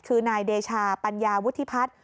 คือนายเดชาปัญญาวุฒิพัฒน์